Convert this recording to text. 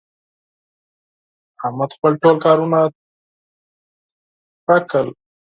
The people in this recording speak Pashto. احمد خپل ټول کارونه تر سره کړل